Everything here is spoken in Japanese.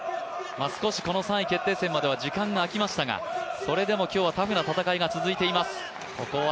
少しこの３位決定戦までは時間があきましたが、それでも今日はタフな戦いが続いています。